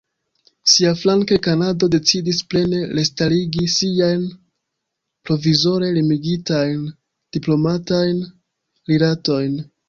Siaflanke Kanado decidis plene restarigi siajn provizore limigitajn diplomatajn rilatojn.